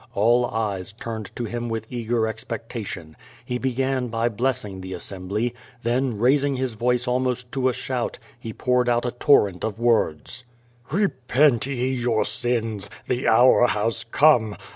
All eyes turned to him with eager expec tation. He began by blessing the assembly. Then, raising his voice almost to a shout, he poured out a torrent of words. "Eepent ye your sins! The hour has come!